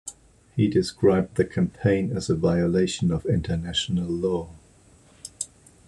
He described the campaign as a violation of international law.